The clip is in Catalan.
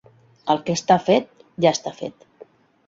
El que està fet, ja està fet.